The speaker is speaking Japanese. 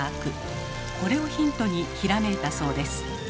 これをヒントにひらめいたそうです。